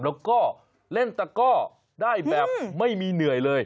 แล้วก็เล่นตะก้อได้แบบไม่มีเหนื่อยเลย